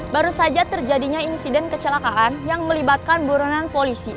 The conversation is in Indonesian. baru saja terjadinya insiden kecelakaan yang melibatkan buronan polisi